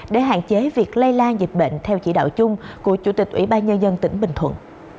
để hạn chế việc lây lan dịch bệnh theo chỉ đạo chung của chủ tịch ủy ban nhân dân tỉnh bình thuận